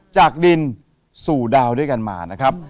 จากดินสู่ดาวด้วยกันมานะครับ